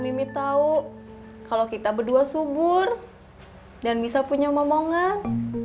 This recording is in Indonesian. mimi tahu kalau kita berdua subur dan bisa punya omongan